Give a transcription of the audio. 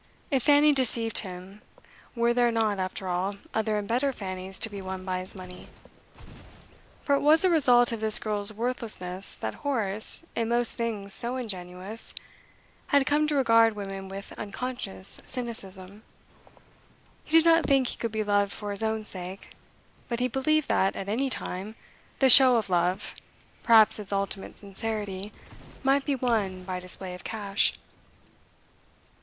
If Fanny deceived him, were there not, after all, other and better Fannys to be won by his money? For it was a result of this girl's worthlessness that Horace, in most things so ingenuous, had come to regard women with unconscious cynicism. He did not think he could be loved for his own sake, but he believed that, at any time, the show of love, perhaps its ultimate sincerity, might be won by display of cash.